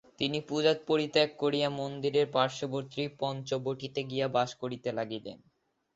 তিনি পূজা পরিত্যাগ করিয়া মন্দিরের পার্শ্ববর্তী পঞ্চবটীতে গিয়া বাস করিতে লাগিলেন।